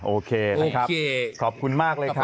โอเคนะครับขอบคุณมากเลยครับ